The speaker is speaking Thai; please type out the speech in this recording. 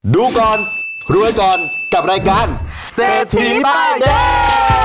ดูก่อนรวยก่อนกับรายการเศรษฐีป้ายแดง